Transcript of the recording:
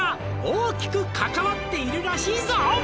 「大きく関わっているらしいぞ」